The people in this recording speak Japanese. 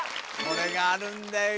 これがあるんだよ